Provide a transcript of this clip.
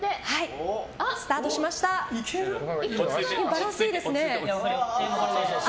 バランスいいですね。